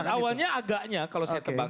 maksud awalnya agaknya kalau saya tebang